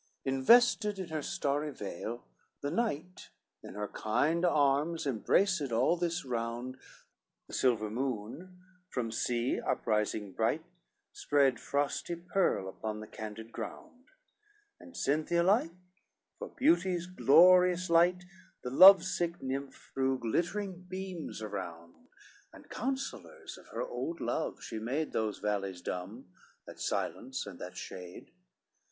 CIII Invested in her starry veil, the night In her kind arms embraced all this round, The silver moon from sea uprising bright Spread frosty pearl upon the candid ground: And Cynthia like for beauty's glorious light The love sick nymph threw glittering beams around, And counsellors of her old love she made Those valleys dumb, that silence, and that shade.